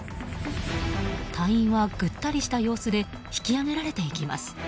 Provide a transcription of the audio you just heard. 隊員は、ぐったりした様子で引き上げられていきます。